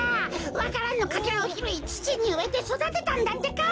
わか蘭のかけらをひろいつちにうえてそだてたんだってか！